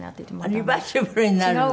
リバーシブルになるの？